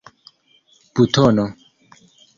butono